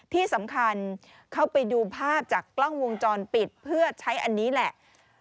ที่สำคัญเข้าไปดูภาพจากกล้องวงจรปิดเพื่อใช้อันนี้แหละ